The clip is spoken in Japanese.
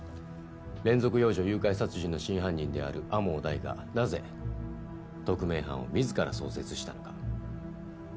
連続幼女誘拐殺人の真犯人である天羽大がなぜ特命班を自ら創設したのか。